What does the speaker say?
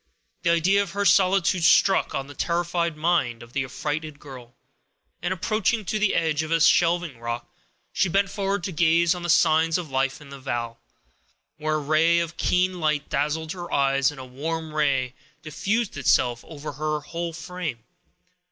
The idea of her solitude struck on the terrified mind of the affrighted girl, and approaching to the edge of a shelving rock, she bent forward to gaze on the signs of life in the vale, when a ray of keen light dazzled her eyes, and a warm ray diffused itself over her whole frame.